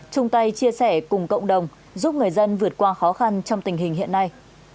chung tay chia sẻ cùng cộng đồng giúp người dân vượt qua khó khăn trong tình hình hiện nay